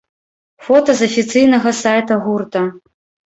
Фота з афіцыйнага сайта гурта.